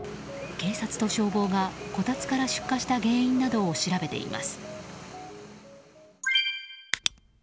警察と消防がこたつから出火した原因などを調べています。